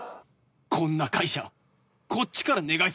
こんな会社こっちから願い下げだ！